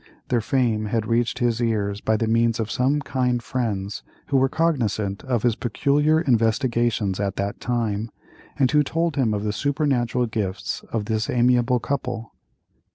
Their fame had reached his ears by the means of some kind friends who were cognisant of his peculiar investigations at that time, and who told him of the supernatural gifts of this amiable old couple.